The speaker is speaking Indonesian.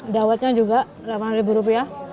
dawetnya juga rp delapan